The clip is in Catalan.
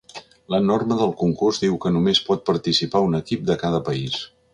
La norma del concurs diu que només pot participar un equip de cada país.